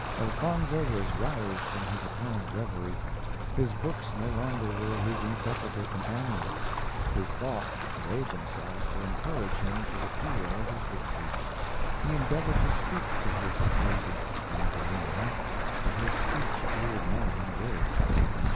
Elfonzo was roused from his apparent reverie. His books no longer were his inseparable companions his thoughts arrayed themselves to encourage him to the field of victory. He endeavored to speak to his supposed Ambulinia, but his speech appeared not in words.